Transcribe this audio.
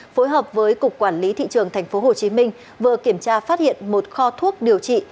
phối hợp với cục quản lý thị trường tp hcm vừa kiểm tra phát hiện một kho thuốc điều trị